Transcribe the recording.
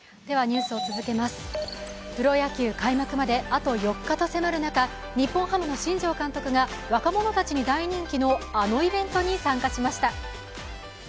プロ野球開幕まであと４日と迫る中、日本ハムの新庄監督が若者たちに大人気のあのイベントに参加しました。